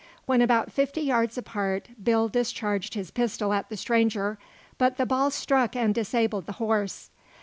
When about fifty yards apart, Bill discharged his pistol at the stranger, but the ball struck and disabled the horse.